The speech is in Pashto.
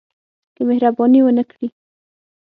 که مهرباني ونه کړي.